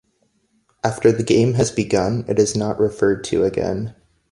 After the game has begun, it is not referred to again.